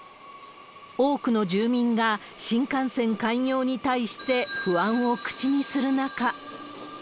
多くの住民が新幹線開業に対して不安を口にする中。